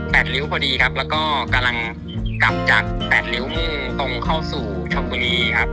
ริ้วพอดีครับแล้วก็กำลังกลับจากแปดริ้วมุ่งตรงเข้าสู่ชนบุรีครับ